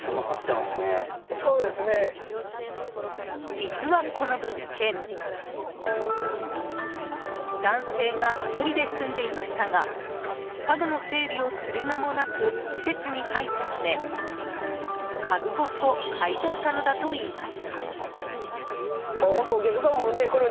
実は、この物件男性が１人で住んでいましたが家具の整理をする間もなく施設に入ったため家具ごと買い取ったのだといいます。